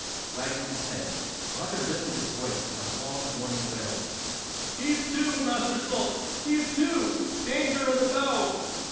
Wagging his head, Roger lifted his voice in a long warning wail. "Heave to, Master Salt! Heave to! Danger on the bow!"